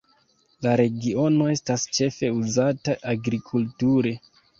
La regiono estas ĉefe uzata agrikulture.